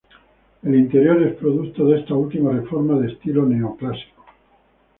El interior es producto de esta última reforma, de estilo neoclásico.